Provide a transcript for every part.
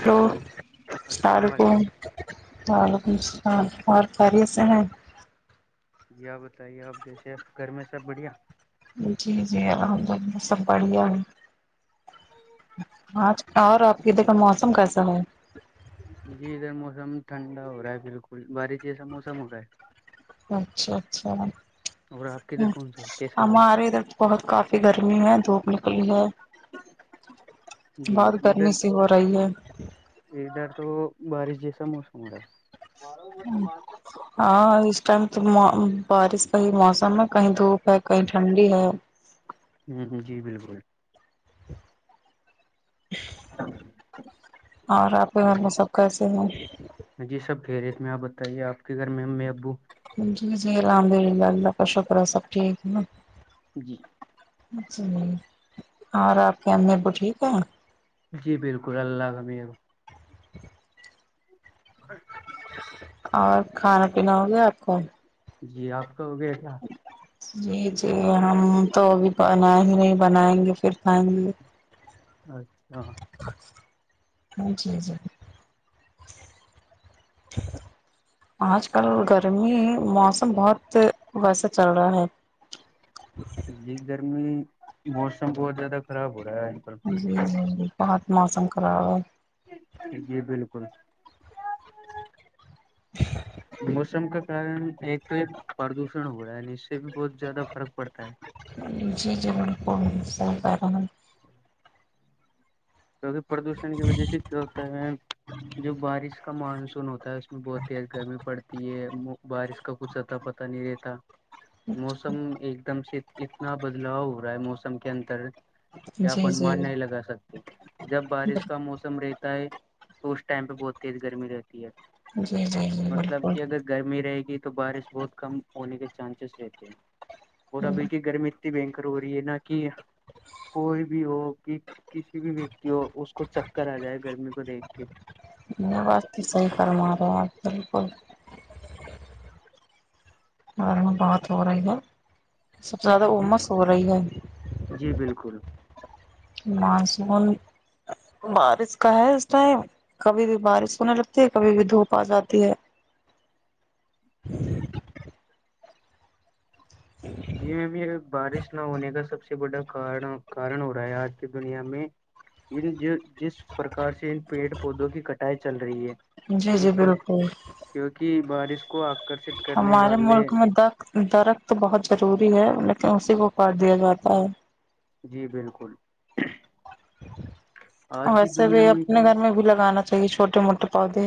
hello hello س السلام رک- علیکم وعلیکم السلام اور خریت سے ہیں- ج بتائیے آپ جیسے گھر میں سب بڑھیا- جی- جی الحمد اللہ سب بڑھیا ہے- ہاں اور آپ کی دیکھا موسم کیسا ہے- جی ادھر موسم ٹھنڈا ہو رہا ہے بالکل بارش جیسا موسم ہو رہا ہے- اچھا -اچھا اور آپ کے دھر ہم- کون سا کیسا ہو رہا ہے ہمارے ادھر بہت کافی گرمی ہے دھوپ نکلی ہے جی بہت ادھر گرمی سی ہو رہی ہے ادھر تو بارش جیسا موسم ہو رہا ہے ہوں ہاں اس ٹائم تو بارش کا ہی موسم ہے کہیں دھوپ ہے کہیں ٹھنڈی ہے- ہ جی بالکل [unintelligible] اور آپ کے گھر میں سب کیسے ہیں- جی سب گہریےت میں آپ بتائیے آپ کے گھر میں ا ابو- جی جی الحمد للہ اللہ کا ش کررو سب ٹھیک نا جی جی اور آپ کی امی بھی ٹھیک ہے جی بالکل اللہ حیر اچ اور کھانا پینا ہو گیا آپ کو جی آپ کا ہو گیا کیا جی جی ہم تو بھی بنائیں ہی نہیں بنائیں گے پھر پائیں گے اچھا ہاں جی جی آج کل گرمی موسم بہت ویسے چل رہا ہے جی گرمی موسم بہت زیادہ خراب ہو رہا ہے کل جی جی بہت موسم خراب ہے جی بالکل موسم کا کارن ایک تو ایک پردوشن ہو رہا ہے اس سے بھی بہت زیادہ فرق پڑتا ہے [unintelligible] ہوں کیونکہ پردوشن کی وجہ سے کیا ہوتا ہے جو بارش کا مانسون ہوتا ہے اس میں بہت تیز گرمی پڑتی ہے بارش کا کچھ اتا پتہ نہیں رہتا موسم ایک دم سے اتنا بدلاؤ ہو رہا ہے موسم کے اندر کہ جی اپن مان جی نہیں لگا سکتا جب بارش کا موسم رہتا ہے تو اس ٹائم پہ بہت تیز گرمی رہتی ہے جی جی جی مطلب بالکل کہ اگر گرمی رہے گی تو بارش بہت کم ہونے کے چانسیز رہتے ہیں اور ابھی کی گرمی بنکر ہو رہی ہے نہا کہ کوئی بھی ہو کہ کسی بھی ویکتی ہو اس کو چکر آ جائے گرمی کو دیکھ کے میں بس تو صحیح کرما رہے ہ آپ بالکل بہات ہو رہی ہے سب سے زیادہ جی امس ہو رہی ہے جی بالکل ماس بول بارش کا ہے اس ٹائم کبھی بھی بارش ہونے لگتی ہے کبھی بھی دھوپ آ جاتی ہے جی جی میم یہ بارش نہ ہونے کا سب سے بڑا ک کارن ہو رہا ہے آج کی دنیا میں ان جو جس پرکار سے ان پیڑ پودوں کی کٹائی چل رہی ہے جی جی اس پر بالکل کیونکہ بارش کو آکرشت کرنے ہمارے والے ملک میں درخت بہت ضروری ہے لیکن اسی کو کاڑ دیا جاتا ہے جی بالکل آج کی ویسے دنیا بھی اپنے گھر میں بھی لگانا چاہیے چھوٹے موٹے پودے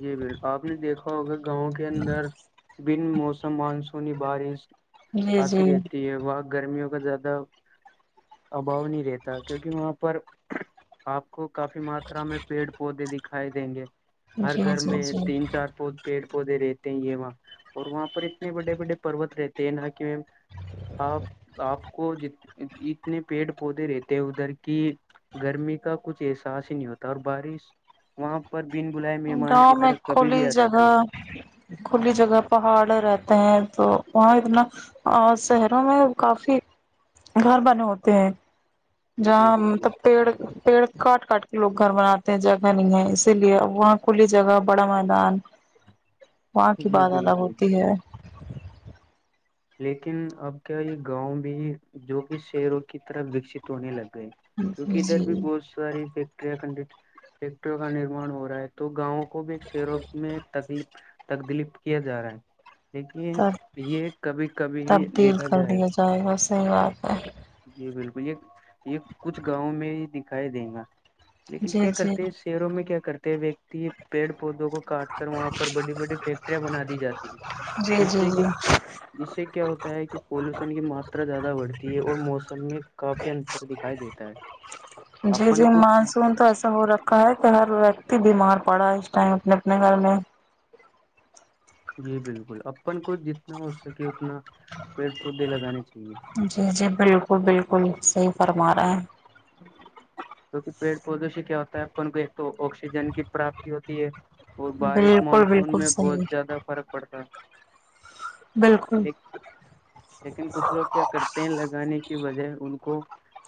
جی بالک آپ نے دیکھا ہوگا گاؤں کے اندر بن موسم مانسونی بارش جی جی آتی رہتی ہے و گرمیوں کا زیادہ ابھاؤ نہیں رہتا کیونکہ وہاں پر آپ کو کافی ماترا میں پیڑ پودے دکھائی دیں گے ہر جی گھر جی میں جی تین چار پو پیڑ پودے رہتے ہیں یہ وہاں اور وہاں پر اتنے بڑے بڑے پروت رہتے ہیں نا کہ آپ آپ کو ج اتنے پیڑ پودے رہتے ہیں ادھر کی گرمی کا کچھ احساس ہی نہیں ہوتا اور بارش وہاں پر بن بل مہمان کی گاؤں میں طرف کبھی بھی کھلی آ جاتی جگہ ہے کھلی جگہ پہاڑ رہتے ہیں تو وہاں اتنا اور شہروں میں کافی گھر بنے ہوتے ہیں ہے جی جہاں بالکل مطلب پیڑ پیڑ کاٹ کاٹ کے لوگ گھر بناتے ہیں جگہ نہیں ہے اسی لیے ا وہاں کھلی جگہ بڑا میدان وہاں کی جی بات ادہ بالکل ہوتی ہے لیکن اب کیا یہ گاؤں بھی جو کہ شہروں کی طرف وکست ہونے لگ گئے کیونکہ ادھر جی بھی جی بہت ساری فیکٹریاں کنڈ فیکٹریوں کا نراان ہو رہا ہے تو گاؤں کے کو بھی شیروں میں تکدلیف کیا جا رہا ہے لیکن تب یہ کبھی کبھی ہی تبدیل دیکھا کر لیا جائے گا صحیح بات ہے جی بالکل یہ یہ کچھ گاؤوں میں ہی دکھائی دے گا لیکن جی کیا جی جی کرتے ہیں شیروں میں کیا کرتے ہیں ویکتی پیڑ پودوں کو کاٹ کر وہاں پر بڑی بڑی فیکٹریاں بنا دی جاتی ہے جی جی جی جس سے کیا ہوتا ہے کہ پولوشن کی ماترا زیادہ بڑھتی ہے اور موسم میں کافی انتر دکھائی دیتا ہے جی اپن جی کو مانسون تو ایسا ہو رہا کہے کہ ہر ویکتی بیمار پڑا ہے اس ٹائم اپنے اپنے گھر میں جی بالکل اپن کو جتنا ہو سکے اتنا پیڑ پودے لگانے چاہیے جی جی بالکل بالکل صحیح فرما رہا ہے کیکہ پیڑ پودوں سے کیا ہوتا ہے اپن کو ایک تو آکسیجن کی پراپتی ہوتی ہے اور بارش بالکل مانسون بالکل میں صحیح بہت زیادہ فرق پڑتا ہے بالکل لیکن لیکن کچھ لوگ کیا کرتے ہیں لگانے کی وجہ ان کو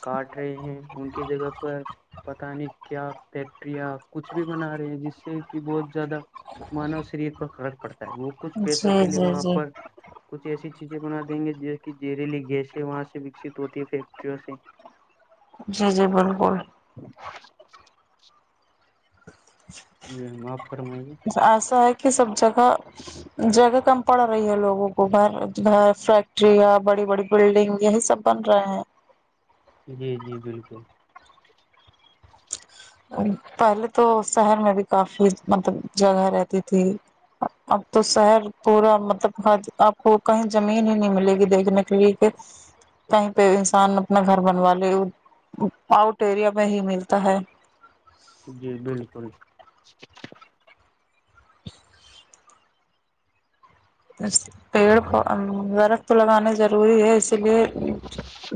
کاٹ رہے ہیں ان کی جگہ پر پتا نہیں کیا فیکٹریا کچھ بھی بنا رہے ہیں جس سے کہ بہت زیادہ مانو شریر پر فرق پڑتا ہے وہ کچھ پیسوں جی کے لیے جی وہاں جی پر کچھ ایسی چیزیں بنا دیں گے جس کہ جیریلی گیسیں وہاں سے وکست ہوتی ہے فیکٹریوں سے [inaudible] جی جی بول بول [inaudible] جی آپ فرمائیے ایسا ہے کہ سب جگہ جگہ کم پڑ رہی ہے لوگوں کو گھر گھر فیکٹریاں بڑی بڑی بلڈنگ یہی سب پن رہا ہیں جی جی بالکل پہلے تو شہر میں بھی کافی مطلب جگہ رہتی تھی اب تو شہر پورا مطلب آپ کو کہیں زمین ہی نہیں ملے گی دیکھنے کے لیے کہ کہیں پہ انسان اپنا گھر بنوا لے آؤٹ ایریا میں ہی ملتا ہے [unintelligible] جی بالکل پیڑ درخت لگانا ضروری ہے اسی لیے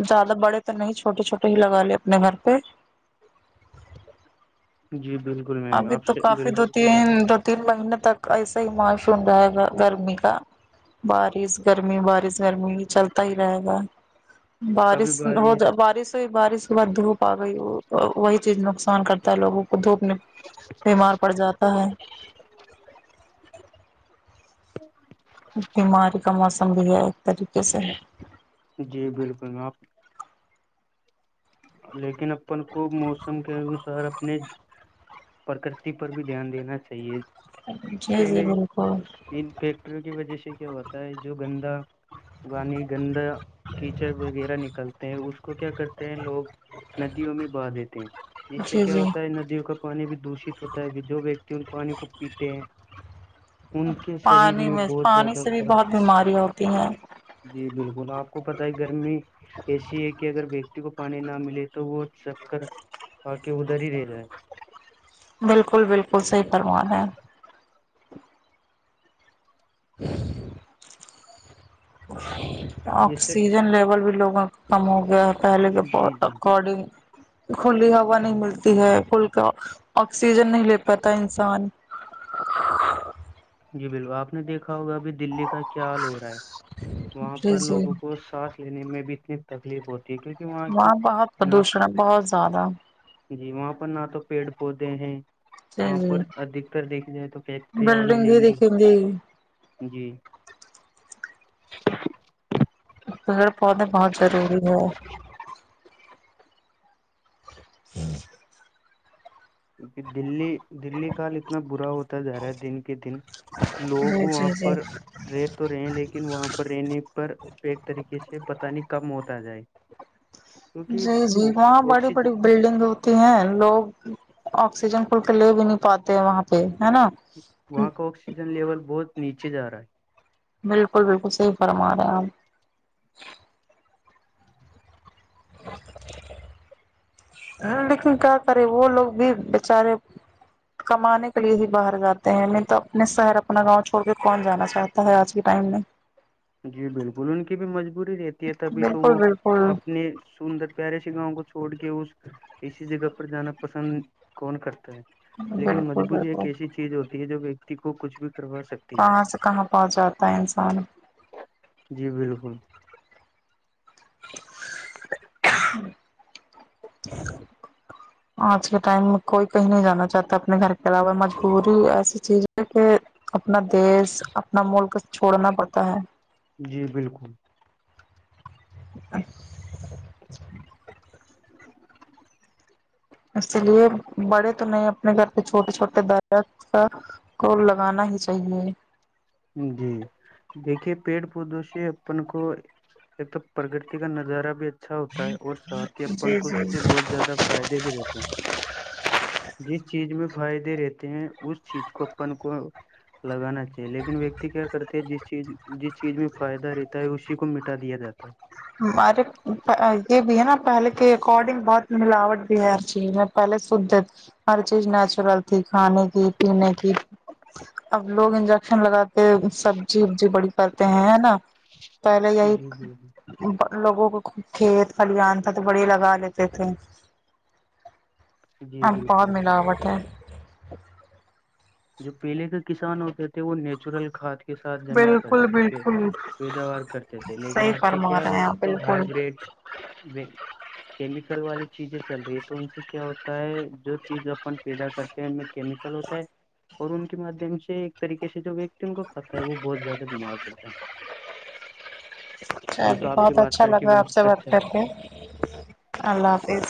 زیادہ بڑے تو نہیں چھوٹے چھوٹے ہی لگا لے اپنے گھر پہ جی بالکل میم ابھی آپ تو سے کافی دو بالکل سے تین دو تین مہینے تک ایسا ہی معاشن رہے گا گرمی کا بارش گرمی بارش گرمی چلتا ہی رہے گا بارش ہو جا بارش ہوئی بارش صبح دھوپ آ گئی وہی چیز نقصان کرتا ہے لوگوں کو دھوپنے اچا بیمار پڑ جاتا ہے تو بیماری کا موسم بھی ہے ایک طریقے سے ہے جی بالکل آپ لیکن اپن کو موسم کے انوسار اپنے پرکرتی پر بھی دھیان دینا چاہیے جی جی پہلے بالکل ان فیکٹریوں کی وجہ سے کیا ہوتا ہے جو گندا پانی گندا کیچڑ وغیرہ نکلتے ہیں اس کو کیا کرتے ہیں لوگ ندیوں میں بہ دیتے ہیں جس سے جی کیا جی ہوتا ہے ندیوں کا پانی بھی دوشت ہوتا ہے جو و تل پانی خوب پیتے ان کے شریر پانی میں بہت پانی زیادہ سے بھی فرق بہت تھا بیماریاں ہوتی ہیں جی بالکل آپ کو پت ہے گرمی اے سی ہے کہ اگر کو پانی نہ ملے تو وہ چپ کر آ کے ادھر ہی رہے جائے بالکل بالکل صحیح فرمان ہے ہ جیسے آکسیجن لیول بھی لوگوں کم ہو گیا ہے پہلے کے جی جی اکارڈنگ کھلی ہوا نہیں ملتی ہے پلکا آکسیجن نہیں لے پاتا انسان جی بالکل آپ نے دیکھا ہوگا ابھی دلی کا کیا حال ہو رہا ہے وہاں جی پر جی لوگوں کو سانس لینے میں بھی اتنی تکلیف ہوتی ٹھ کیک کہ وہاں کی بہت ج پردوشن ہے بہت زیادہ جی وہاں پر نہ تو پیڑ پودے ہیں جی وہاں جی پر ادھکتر دیکھھی جائے تو فیکٹریاں میں ندی دیکھیںندی جی پڑ پودے بہت ضروری ہے ہوں کیکہ دلی دلی کاال اتنا برا ہوتا جا رہا ہے دن کے دن لوگ جی وہاں جی جی پر رہ تو رہے ہیں لیکن وہاں رہنے پر ایک ایک طریقے سے پت نہیں کم ہوتا جائے جی جی کیونکہ وہاں بڑی بڑی آکسیجن بلڈنگ ہو ہیں لوگ آکسیجن کھل کے لے بھی نہیں پاتے ہیں وہاں پہ ہے نا وہاں کا آکسیجن لیول بہت نیچے جا رہا ہے بالکل بالکل صحی فرما رہے ہیں آ ہ لیکن کیا کرے وہ لوگ بھی بچارے کمانے کے لیے ہی باہر جاتے ہیں نہیں تو اپنے شہر اپنا گاؤں چھوڑ کے کون جانا چاہتا تا ہے آج کے ٹائم نے جی بالکل ان کی بھی مجبوری رہتی ہے تبھی تو بالکل وہ بالکل اپنے سندر پیارے سے گاؤں کو چھوڑ کے اس ایسی جگہ پر جانا پسند کون کرتا ہے لیکن بالکل مجبوری ایک بالکل ایسی چیز ہوتی ہے جو ویکتی کو کچھ بھی کروا سکتی ہے کہاں سے کہاں پہنچ جاتا ہے انسان جی بالکل [inaudible] [inaudible] آج کے ٹائم میں کوئی کہیں نہیں جانا چاہتا اپنے گھر کے علاوہ مجبوری ایسی چیز ہے کہ اپنا دیس اپنا ملک چھوڑنا پڑتا ہے جی بالکل اچ [inaudible] اس لیے بڑے تو نہیں اپنے گھر کے چھوٹے چھوٹے دادا کا کو لگانا ہی چاہیے جی دیکھیے پیڑ پودوں سے اپن کو ایک تو پرگتی کا نظارہ بھی اچھا ہوتا ہے اور ساتھی اپن جی کو اس جی سے بہت زیادہ فائدے بھی رہتے ہیں [inaudible] جس چیز میں فائدے رہتے ہیں اس چیز کو اپن کو لگانا چاہیے لیکن ویکتی کیا کرتے ہیں جس چیز جس چیز میں فائدہ رہتا ہے اس چیز کو مٹا دیا جاتا ہے ارے یہ بھی ہے نا پہلے کے اکارڈنگ بہت ملاوٹ بھی ہے ہر چیز میں پہلے سجت ہر چیز نیچرل تھی کھانے کی پینے کی اب لوگ انجیکشن لگاتے سبزی وبزی بڑی کرتے ہیں نا پہلے یہی جی بالکل لوگوں کو کھیت خھلیان تھا تو بڑے لگا لیتے تھے جی اب بہت بالکل ملاوٹ ہے جو پہلے کے کسان ہوتے تھے وہ نیچرل خاد کے ساتھ زمین بالکل کرتے بالکل پیداوار کرتے تھے لیکن صحیح اب کے فرما کیا رہے ہیں ایک آپ تو بالکل ہائبرڈ و کیمیکل والی چیزیں چل رہی ہے تو ان سے کیا ہوتا ہے جو چیز اپن پیدا کرتے ہیں ان میں کیمیکل ہوتا ہے اور ان کے مادھیم سے ایک طریقے سے جو ویکتی ان کو کھاتا ہے وہ بہت زیادہ بیمار پڑتا ہے جی چلے تو آپ بہت سے بات اچھا کر کے لگا آپ سے بہت بات اچھا کر کے اللہ حافظ